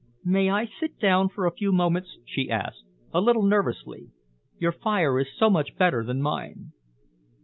"May I sit down for a few moments?" she asked, a little nervously. "Your fire is so much better than mine."